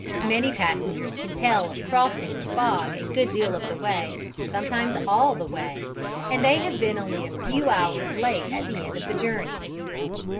Many passengers can tell of crossing with fog a good deal of the way, sometimes almost all the way, and they have been only a few hours late at the end of the journey.